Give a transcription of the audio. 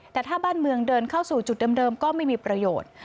แต่ถ้าบ้านเมืองเดินเข้าสู่จุดเดิมก็ไม่มีประโยชน์